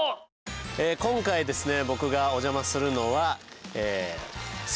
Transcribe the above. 今回ですね